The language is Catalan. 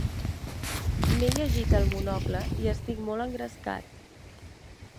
M'he llegit el Monocle i estic molt engrescat.